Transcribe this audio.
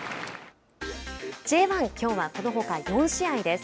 Ｊ１、きょうはこのほか４試合です。